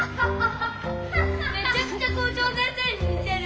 めちゃくちゃ校長先生ににてる。